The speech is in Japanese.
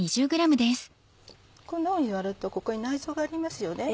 こんなふうに割るとここに内臓がありますよね。